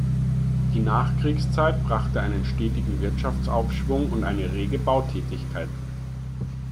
Die Nachkriegszeit brachte einen stetigen Wirtschaftsaufschwung und eine rege Bautätigkeit.